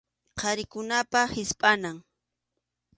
Qharikunapa hispʼanan.